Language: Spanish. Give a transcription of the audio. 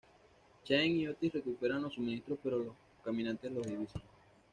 Shane y Otis recuperan los suministros, pero los caminantes los divisan.